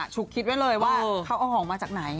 ฉุกคิดไว้เลยว่าเขาเอาของมาจากไหน